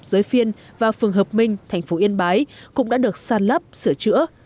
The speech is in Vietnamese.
giới phiên và phường hợp minh thành phố yên bái cũng đã được sàn lấp sửa chữa